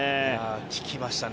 効きましたね